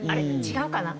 違うかな。